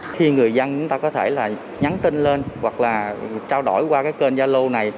khi người dân chúng ta có thể là nhắn tin lên hoặc là trao đổi qua cái kênh gia lô này